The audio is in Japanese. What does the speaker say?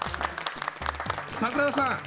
櫻田さん